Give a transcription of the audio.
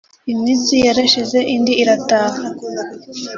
Iminsi yarashize indi irataha